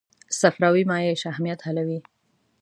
صفراوي مایع شحمیات حلوي.